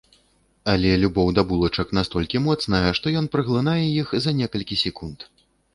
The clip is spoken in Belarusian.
Але любоў да булачак настолькі моцная, што ён праглынае іх за некалькі секунд.